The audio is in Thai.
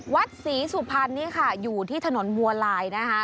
วัดศรีสุพรรณนี่ค่ะอยู่ที่ถนนบัวลายนะคะ